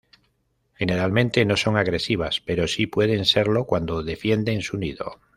Generalmente no son agresivas pero sí pueden serlo cuando defienden su nido.